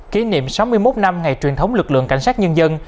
kỷ niệm sáu mươi một năm ngày truyền thống lực lượng cảnh sát nhân dân